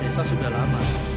jadi saya sudah lama